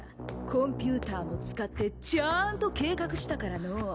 コンピューターも使ってちゃんと計画したからのう。